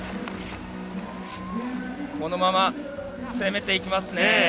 このまま攻めていきますね。